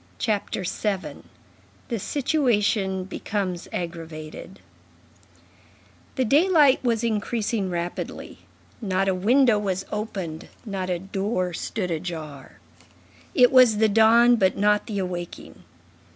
CHAPTER VII—THE SITUATION BECOMES AGGRAVATED The daylight was increasing rapidly. Not a window was opened, not a door stood ajar; it was the dawn but not the awaking.